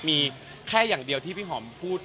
มีแค่อย่างเดียวที่พี่หอมพูด